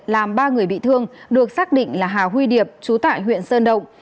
làm ba người bị thương được xác định là hà huy điệp chú tại huyện sơn động